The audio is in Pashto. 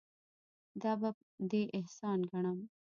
دا به دې احسان ګڼم.